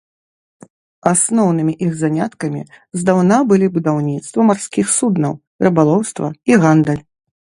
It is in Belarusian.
Асноўнымі іх заняткамі здаўна былі будаўніцтва марскіх суднаў, рыбалоўства і гандаль.